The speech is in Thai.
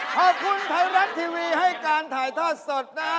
ขอบคุณไทยรัฐทีวีให้การถ่ายทอดสดนะ